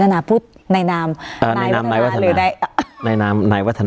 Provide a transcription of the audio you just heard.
การแสดงความคิดเห็น